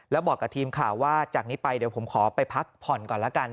แล้วบอกกับทีมข่าวว่าจากนี้ไปเดี๋ยวผมขอไปพักผ่อนก่อนแล้วกัน